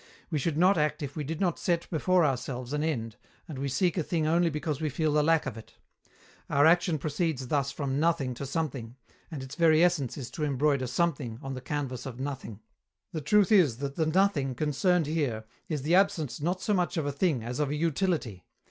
We should not act if we did not set before ourselves an end, and we seek a thing only because we feel the lack of it. Our action proceeds thus from "nothing" to "something," and its very essence is to embroider "something" on the canvas of "nothing." The truth is that the "nothing" concerned here is the absence not so much of a thing as of a utility.